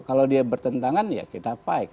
kalau dia bertentangan ya kita fight